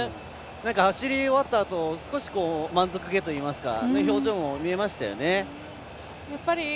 走り終わったあとすこし満足げといいますかそういう表情も見えましたよね。